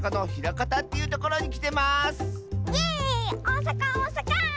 おおさかおおさか！